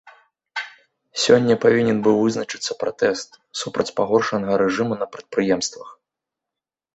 Сёння павінен быў вызначыцца пратэст супраць пагоршанага рэжыму на прадпрыемствах.